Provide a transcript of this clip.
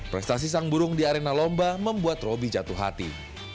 prestasi sang burung di arena lomba membuat roby jatuh hati